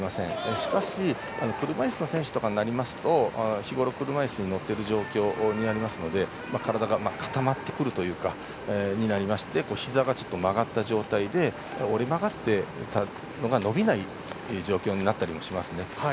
しかし車いすの選手となりますと日ごろ車いすに乗っている状況になるので体が固まってくるというかそういうふうになりましてひざが曲がった状態で折れ曲がっているのが伸びない状況になりますね。